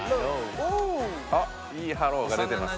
あっいいハローが出てます。